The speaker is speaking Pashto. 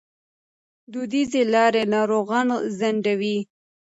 دودیزې لارې ناروغان ځنډوي.